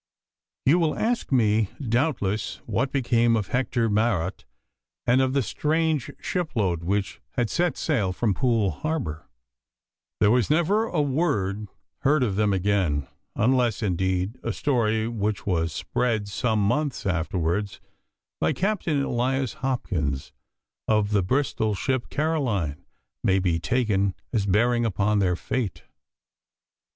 You will ask me doubtless what became of Hector Marot and of the strange shipload which had set sail from Poole Harbour. There was never a word heard of them again, unless indeed a story which was spread some months afterwards by Captain Elias Hopkins, of the Bristol ship Caroline, may be taken as bearing upon their fate.